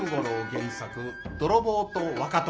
原作「泥棒と若殿」